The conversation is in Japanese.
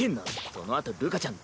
そのあとるかちゃん